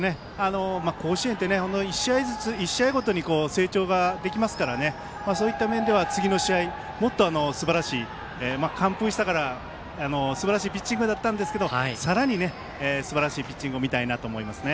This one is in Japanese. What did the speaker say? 甲子園って１試合ごとに成長ができますからそういった面では次の試合もっとすばらしい完封したから、すばらしいピッチングだったんですけどさらにすばらしいピッチングを見たいなと思いますね。